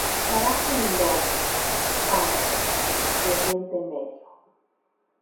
Trabaja en Londres, Ámsterdam y Oriente Medio.